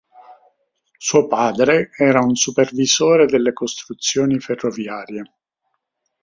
Suo padre era un supervisore delle costruzioni ferroviarie.